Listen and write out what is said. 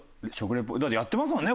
だってやってますもんね